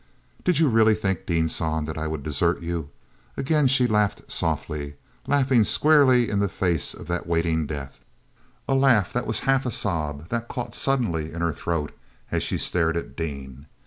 "Did you really think, Dean San, that I would desert you?" Again she laughed softly—laughing squarely in the face of that waiting death, a laugh that was half a sob, that caught suddenly in her throat as she stared at Dean.